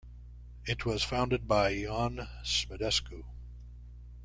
It was founded by Ion Smedescu.